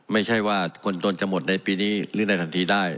ไม่ใช่ว่าคนจนจะหมดในปีนี้หรือในทันทีได้